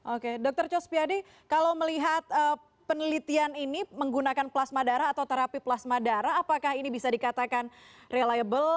oke dr cospiadi kalau melihat penelitian ini menggunakan plasma darah atau terapi plasma darah apakah ini bisa dikatakan reliable